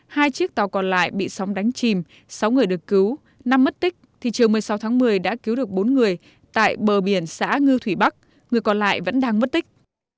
hai chiếc tàu còn lại bị sóng đánh chìm sáu người được cứu năm mất tích thì chiều một mươi sáu tháng một mươi đã cứu được bốn người tại bờ biển xã ngư thủy bắc người còn lại vẫn đang mất tích